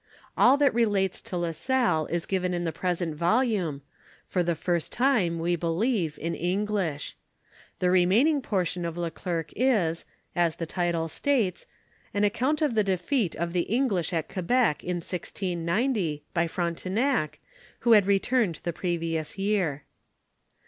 All that relates to La Salle is given in the present volume, for ihe first time, we believe, in English. The remaining portion of Le Clercq is^ 6 W\ 89 KOnOE ON FATHER LE OLEBOQ. as the title otatee, an account of the defeat of the English at Quebec, in 1600, by Frontenac, who had returned the previous year.